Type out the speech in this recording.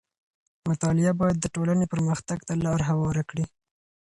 مطالعه بايد د ټولنې پرمختګ ته لار هواره کړي.